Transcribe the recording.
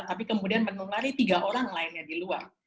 tapi kemudian menulari tiga orang lainnya di luar